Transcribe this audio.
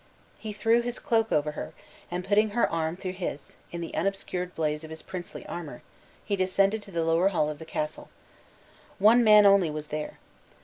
He threw his cloak over her, and putting her arm through his, in the unobscured blaze of his princely armor, he descended to the lower hall of the castle. One man only was there.